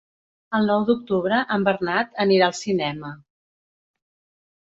El nou d'octubre en Bernat anirà al cinema.